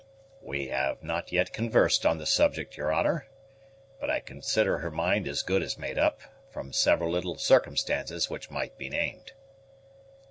"We have not yet conversed on the subject, your honor; but I consider her mind as good as made up, from several little circumstances which might be named."